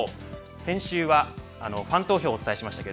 先週はファン投票をお伝えしましたが